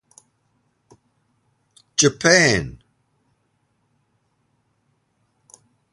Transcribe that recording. Japan.